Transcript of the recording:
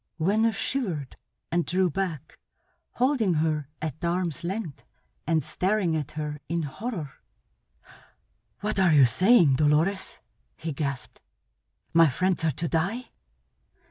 Venner shivered, and drew back, holding her at arms' length and staring at her in horror. "What are you saying, Dolores?" he gasped. "My friends are to die?"